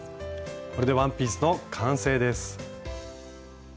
これでワンピースの完成です。